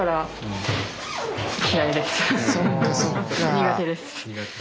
苦手です。